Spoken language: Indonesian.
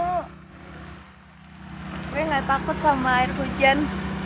tapi nggak takut sama air hujan